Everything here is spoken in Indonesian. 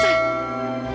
aku akan berhenti